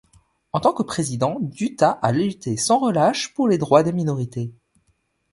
En tant que président Dutta a lutté sans relâche pour les droits des minorités.